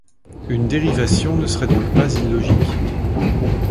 Une dérivation ne serait donc pas illogique.